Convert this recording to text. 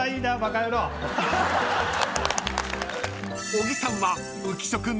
［小木さんは］